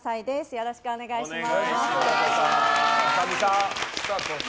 よろしくお願いします。